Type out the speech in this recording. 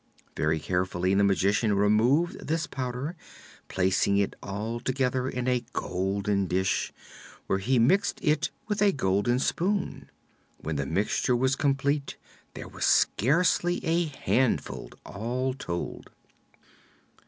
Very carefully the Magician removed this powder, placing it all together in a golden dish, where he mixed it with a golden spoon. When the mixture was complete there was scarcely a handful, all told.